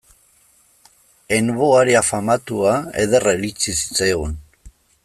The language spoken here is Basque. En vo aria famatua ederra iritsi zitzaigun.